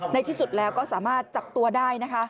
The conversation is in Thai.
ในที่สุดแล้วก็สามารถจับตัวได้นะคะ